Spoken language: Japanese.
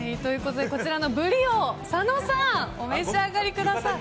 こちらのブリを佐野さんお召し上がりください。